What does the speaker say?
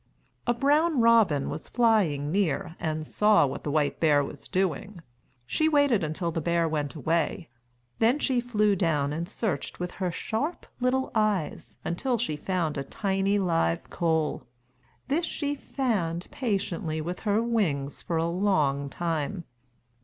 A brown robin was flying near and saw what the white bear was doing. She waited until the bear went away. Then she flew down and searched with her sharp little eyes until she found a tiny live coal. This she fanned patiently with her wings for a long time.